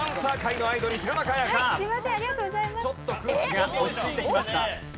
ちょっと空気が落ち着いてきました。